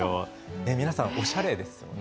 皆さん、おしゃれですよね。